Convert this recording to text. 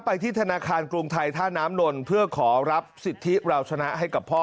ไปที่ธนาคารกรุงไทยท่าน้ำนนท์เพื่อขอรับสิทธิเราชนะให้กับพ่อ